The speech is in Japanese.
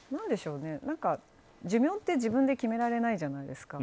寿命って、自分で決められないじゃないですか。